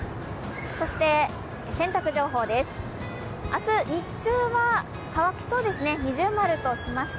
洗濯情報です、明日日中は乾きそうですね、◎としました。